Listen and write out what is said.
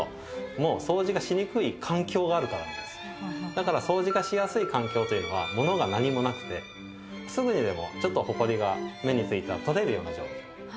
だからそうじがしやすい環境というのは物が何もなくてすぐにでもちょっとほこりが目についたら取れるような状態。